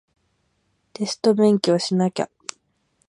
テスト勉強しなきゃ